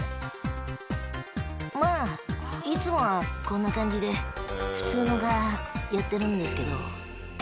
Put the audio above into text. まあいつもはこんな感じで普通の蛾やってるんですけど。